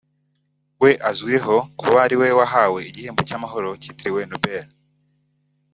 we azwiho kuba ari we wahawe igihembo cy’amahoro kiritiwe Nobel